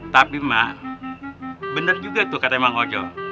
tapi mak bener juga tuh kata bang ojo